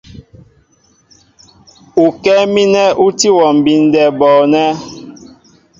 Ukɛ́ɛ́ mínɛ ú tí wɔ mbindɛ bɔɔnɛ́.